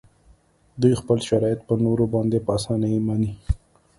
دوی خپل شرایط په نورو باندې په اسانۍ مني